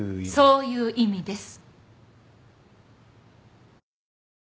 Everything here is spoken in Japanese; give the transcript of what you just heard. そういう意味です。